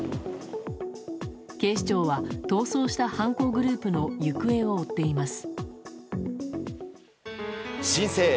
警視庁は逃走した犯行グループの行方を追っています。